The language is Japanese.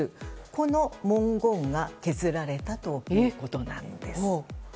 この文言が削られたということです。